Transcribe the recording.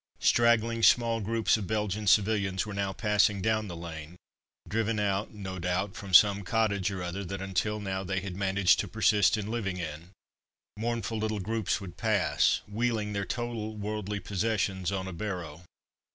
Straggling, small groups of Belgian civilians were now passing down the lane, driven out no doubt from some cottage or other that until now they had managed to persist in living in. Mournful little groups would pass, wheeling their total worldly possessions on a barrow.